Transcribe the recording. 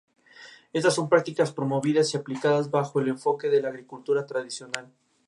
El sulfuro de litio se ha considerado para ser utilizado en baterías de litio-sulfuro.